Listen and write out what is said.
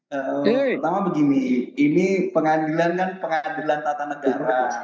pertama begini ini pengadilan kan pengadilan tata negara